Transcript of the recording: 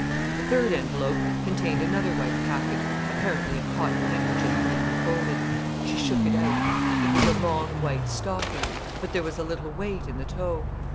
The third envelope contained another white packet—apparently a cotton handkerchief neatly folded. She shook it out. It was a long white stocking, but there was a little weight in the toe.